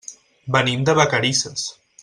Venim de Vacarisses.